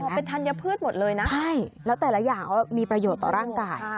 เป็นธัญพืชหมดเลยนะใช่แล้วแต่ละอย่างมีประโยชน์ต่อร่างกาย